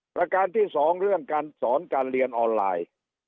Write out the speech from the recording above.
ประการที่สองเรื่องการสอนการเรียนออนไลน์